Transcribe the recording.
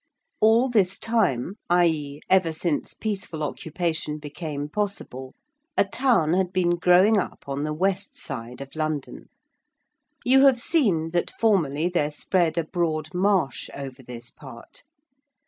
All this time, i.e. ever since peaceful occupation became possible, a town had been growing up on the west side of London. You have seen that formerly there spread a broad marsh over this part.